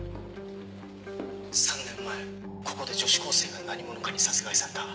３年前ここで女子高生が何者かに殺害された。